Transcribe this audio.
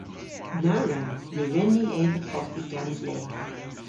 Na wren! Ny wren ni eva koffi gans leth.